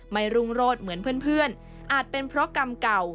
รุ่งโรศเหมือนเพื่อนอาจเป็นเพราะกรรมเก่า